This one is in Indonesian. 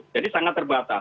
jadi sangat terbatas